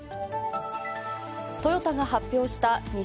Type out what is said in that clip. トヨタが発表した